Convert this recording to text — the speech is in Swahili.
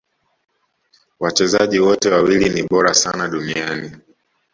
Wachezaji wote wawili ni bora sana duniani